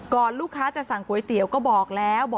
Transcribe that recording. ลูกค้าจะสั่งก๋วยเตี๋ยวก็บอกแล้ว